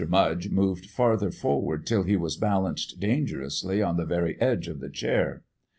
Mudge moved farther forward till he was balanced dangerously on the very edge of the chair.